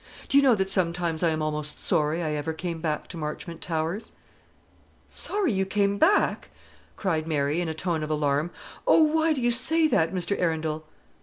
Do you know that sometimes I am almost sorry I ever came back to Marchmont Towers?" "Sorry you came back?" cried Mary, in a tone of alarm. "Oh, why do you say that, Mr. Arundel?"